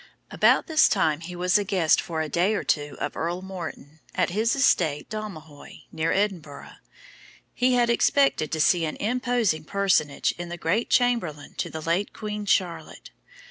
About this time he was a guest for a day or two of Earl Morton, at his estate Dalmahoy, near Edinburgh. He had expected to see an imposing personage in the great Chamberlain to the late queen Charlotte.